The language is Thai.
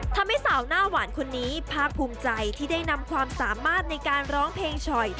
ทำให้สาวหน้าหวานคนนี้ภาคภูมิใจที่ได้นำความสามารถในการร้องเพลงฉ่อย